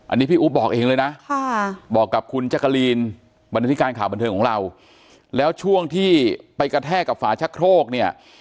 อันนี้พี่อุ๊บบอกเองเลยนะบอกกับคุณจักรีนบรรณฐิการข่าวบันเทิงของเราแล้วช่วงที่ไปกระแทกกับฝาชะโครกเนี่ย